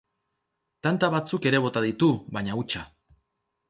Tanta batzuk ere bota ditu, baina hutsa.